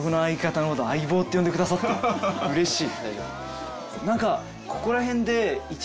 うれしい！